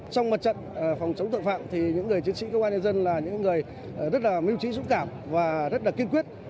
trong mặt trận phòng chống tội phạm thì những người chiến sĩ công an nhân dân là những người rất là miêu trí dũng cảm và rất là kiên quyết